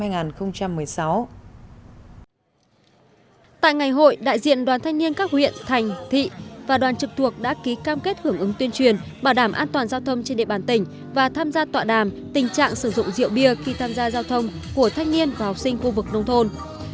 tại ngày hội đại diện đoàn thanh niên các huyện thành thị và đoàn trực thuộc đã ký cam kết hưởng ứng tuyên truyền bảo đảm an toàn giao thông trên địa bàn tỉnh và tham gia tọa đàm tình trạng sử dụng rượu bia khi tham gia giao thông của thanh niên và học sinh khu vực nông thôn